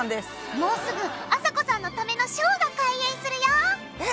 もうすぐあさこさんのためのショーが開演するよえっ！